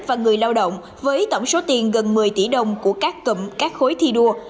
và người lao động với tổng số tiền gần một mươi tỷ đồng của các cụm các khối thi đua